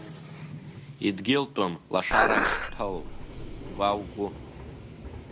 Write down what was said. Идгьылтәым лашарак хҭәалоуп уа угәы.